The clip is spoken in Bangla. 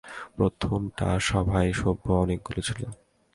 প্রথমটা সভায় সভ্য অনেকগুলি ছিল।